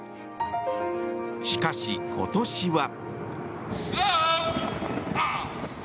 しかし、今年は。